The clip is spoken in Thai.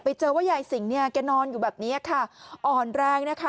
ไปเจอว่ายายสิงเนี่ยแกนอนอยู่แบบนี้ค่ะอ่อนแรงนะคะ